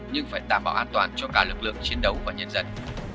nhưng phải đảm bảo an toàn cho cả lực lượng chiến đấu và nhân dân